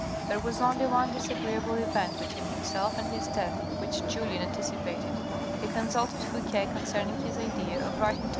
There was only one disagreeable event between himself and his death which Julien anticipated. He consulted Fouque concerning his idea of writing to M.